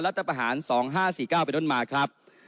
รัฐประหาร๒๕๔๙ไปด้วยมาครับ